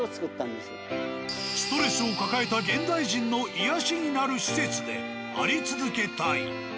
ストレスを抱えた現代人の癒やしになる施設であり続けたい。